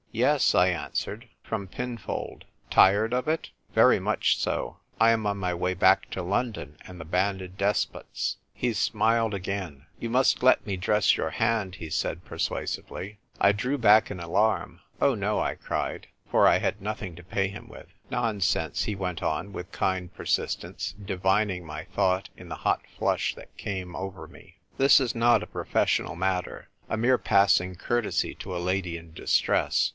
" Yes," I answered. " From Pinfold." "Tired of it ?"" Very much so. I am on my way back to London and the Banded Despots." He smiled again. " You must let me dress your hand," he said, persuasively. G 2 92 THE TYPE WRITER GIRL. I drew back in alarm. "Oh, no !" I cried, for I had nothing to pay him with. " Nonsense," he went on with kind per sistence, divining my thought in the hot flush that came over me. " This is not a profes sional matter. A mere passing courtesy to a lady in distress.